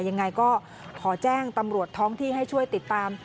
ยังไงก็ขอแจ้งตำรวจท้องที่ให้ช่วยติดตาม